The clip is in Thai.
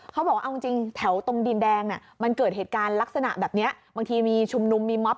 เขาบอกว่าเอาจริงแถวตรงดินแดงมันเกิดเหตุการณ์ลักษณะแบบนี้บางทีมีชุมนุมมีม็อบ